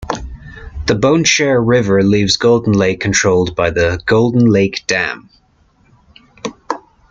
The Bonnechere River leaves Golden Lake controlled by the Golden Lake Dam.